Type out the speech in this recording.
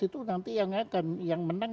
itu nanti yang akan yang menang